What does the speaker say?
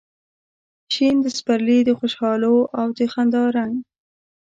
شین د سپرلي د خوشحالو او د خندا رنګ